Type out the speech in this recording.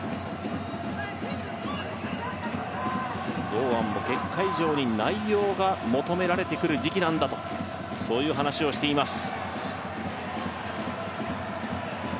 堂安も結果以上に内容が求められてくる時期なんだとそういう話をしています。